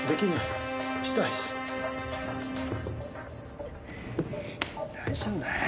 大丈夫だよ。